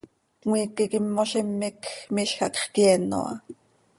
Cmiique quih immozime quij miizj hacx cyeeno ha.